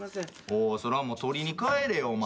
おそれはもう取りに帰れお前。